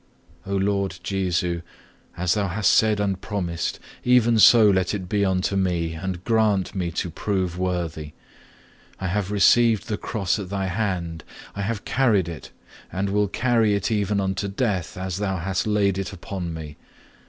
5. O Lord Jesu, as Thou hast said and promised, even so let it be unto me, and grant me to prove worthy. I have received the cross at Thy hand; I have carried it, and will carry it even unto death, as Thou hast laid it upon me.